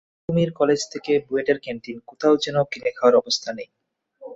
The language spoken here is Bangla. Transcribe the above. তিতুমীর কলেজ থেকে বুয়েটের ক্যানটিন—কোথাও যেন তাদের কিনে খাওয়ার অবস্থা নেই।